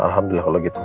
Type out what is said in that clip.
alhamdulillah kalau gitu